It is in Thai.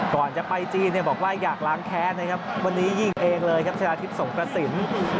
ก่อนจะไปจีนเนี่ยบอกว่าอยากล้างแค้นนะครับวันนี้ยิงเองเลยครับชนะทิพย์สงกระสิน